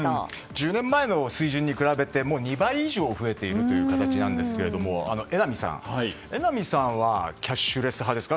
１０年前の水準に比べて２倍以上増えているという形なんですが榎並さんはキャッシュレス派ですか。